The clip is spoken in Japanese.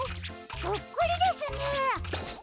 そっくりですね！